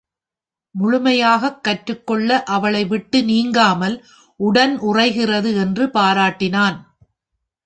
முழுமையாகக் கற்றுக்கொள்ள அவளை விட்டு நீங்காமல் உடன் உறைகிறது என்று பாராட்டினான்.